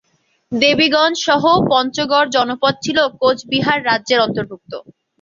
দেবীগঞ্জ সহ পঞ্চগড় জনপদ ছিল কোচবিহার রাজ্যের অন্তর্ভুক্ত।